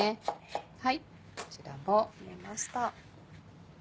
はいこちらも。切れました。